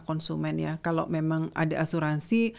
konsumen ya kalau memang ada asuransi